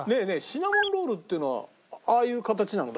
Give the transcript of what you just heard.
シナモンロールっていうのはああいう形なの？